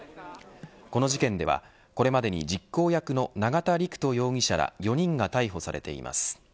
この事件では、これまでに実行役の永田陸人容疑者ら４人が逮捕されています。